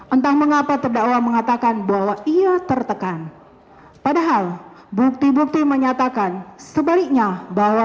entah mengapa terdakwa mengatakan bahwa ia tertekan padahal bukti bukti menyatakan sebaliknya bahwa